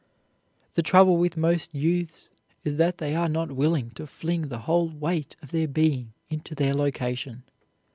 The trouble with most youths is that they are not willing to fling the whole weight of their being into their location.